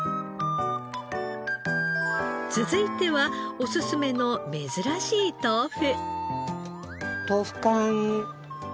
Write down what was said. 続いてはおすすめの珍しい豆腐。